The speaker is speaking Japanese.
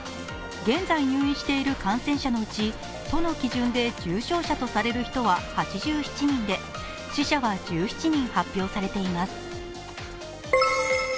現在入院している感染者のうち、都の基準で重症者とされる人は８７人で死者は１７人発表されています。